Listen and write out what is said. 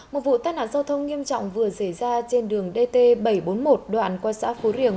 một vụ tai nạn giao thông nghiêm trọng vừa xảy ra trên đường dt bảy trăm bốn mươi một đoạn qua xã phú riềng